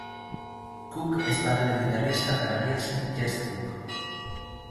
Cook es padre del guitarrista canadiense Jesse Cook.